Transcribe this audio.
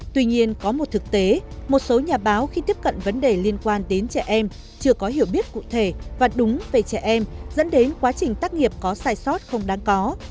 tuy nhiên có một thực tế một số nhà báo khi tiếp cận vấn đề liên quan đến trẻ em chưa có hiểu biết cụ thể và đúng về trẻ em dẫn đến quá trình tác nghiệp có sai sót không đáng có